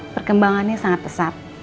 perkembangannya sangat pesat